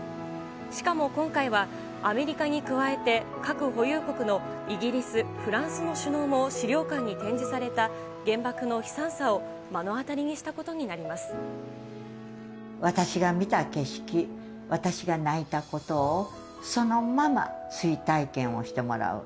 しかも今回は、アメリカに加えて、核保有国のイギリス、フランスの首脳も資料館に展示された原爆の悲惨さを目の当たりに私が見た景色、私が泣いたことを、そのまま追体験をしてもらう。